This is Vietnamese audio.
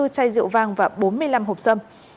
hai mươi bốn chai rượu vang và bốn mươi năm hộp xâm